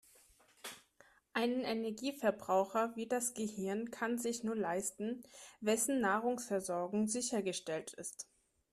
Einen Energieverbraucher wie das Gehirn kann sich nur leisten, wessen Nahrungsversorgung sichergestellt ist.